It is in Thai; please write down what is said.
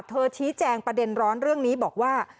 ชี้แจงประเด็นร้อนเรื่องนี้บอกว่า